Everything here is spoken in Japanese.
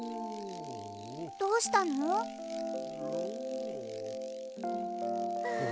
どうしたの？わ！